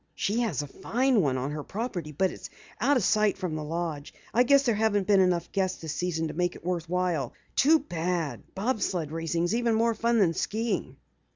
"She has a fine one on her property, but it's out of sight from the lodge. I guess there haven't been enough guests this season to make it worth while. Too bad. Bob sled racing is even more fun than skiing."